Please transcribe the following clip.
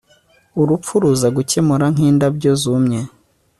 urupfu ruza kumera nk'indabyo zumye